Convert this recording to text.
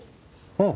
うん。